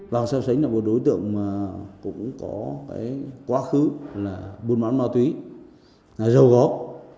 vàng xeo xánh là một đối tượng cũng có quá khứ là bùn bán ma túy là dâu góp